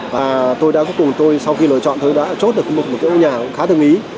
và tôi đã cuối cùng tôi sau khi lựa chọn tôi đã chốt được một cái mô hình nhà khá thương ý